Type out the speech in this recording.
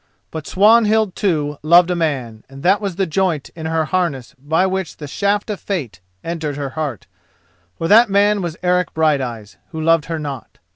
But Swanhild, too, loved a man, and that was the joint in her harness by which the shaft of Fate entered her heart, for that man was Eric Brighteyes, who loved her not.